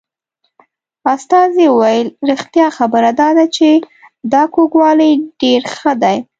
استازي وویل رښتیا خبره دا ده چې دا کوږوالی ډېر ښه دی.